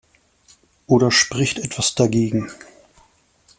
Oder spricht etwas dagegen?